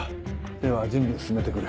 では準備を進めてくれ。